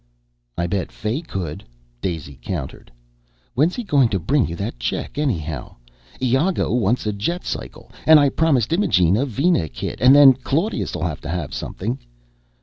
"I bet Fay could," Daisy countered. "When's he going to bring you that check, anyhow? Iago wants a jetcycle and I promised Imogene a Vina Kit and then Claudius'll have to have something."